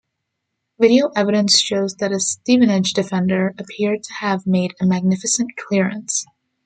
Video evidence shows that a Stevenage defender appeared to have made a magnificent clearance.